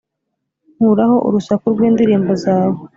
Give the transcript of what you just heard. nkuraho urusaku rw indirimbo zawe